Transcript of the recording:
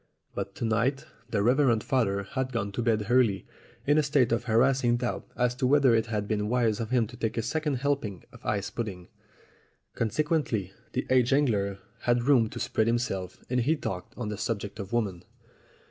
But to night the Reverend Father had gone to bed early in a state of harassing doubt as to whether it had been wise of him to take a second helping of ice pud ding. Consequently, the aged angler had room to spread himself, and he talked on the subject of women.